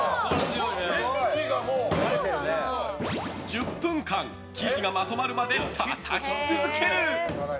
１０分間、生地がまとまるまでたたき続ける。